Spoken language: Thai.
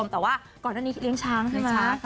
แต่ว่าก่อนหน้านี้เลี้ยงช้างใช่ไหมคะ